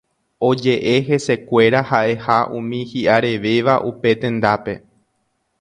Oje'e hesekuéra ha'eha umi hi'arevéva upe tendápe